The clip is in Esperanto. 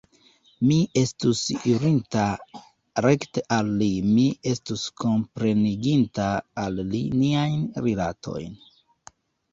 Mi estus irinta rekte al li; mi estus kompreniginta al li niajn rilatojn.